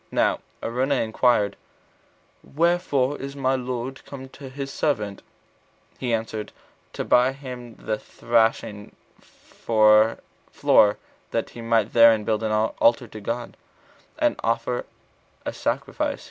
Now Araunah inquired, "Wherefore is my lord come to his servant?" He answered, to buy of him the thrashing floor, that he might therein build an altar to God, and offer a sacrifice.